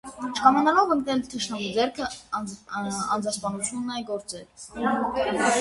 Չկամենալով ընկնել թշնամու ձեռքը, անձնասպանություն է գործել։